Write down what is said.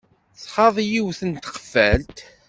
Txaḍ yiwet n tqeffalt.